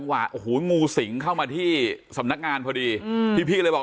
เป็นเก้าเชื้อเพื่อให้เตรียม